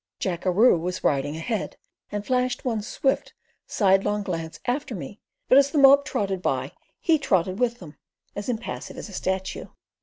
Jackeroo was riding ahead, and flashed one swift, sidelong glance after me but as the mob trotted by he trotted with them as impassive as a statue.